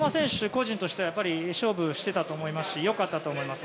個人としては勝負をしていたと思いますしよかったと思います。